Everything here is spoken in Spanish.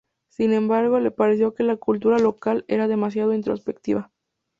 Sin embargo, le pareció que la cultura local era demasiado introspectiva.